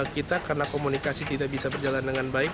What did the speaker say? kita karena komunikasi tidak bisa berjalan dengan baik